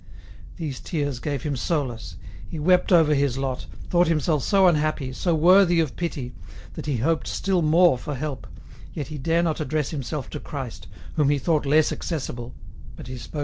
These tears gave him solace ; he wept over his lot, thought himself so unhappy, so worthy of pity, that he hoped still more for help, yet he dare not address himself to Christ, whom he thought less accessible, but he spoke L 146 EN ROUTE.